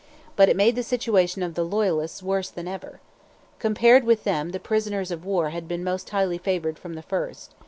But it made the situation of the Loyalists worse than ever. Compared with them the prisoners of war had been most highly favoured from the first.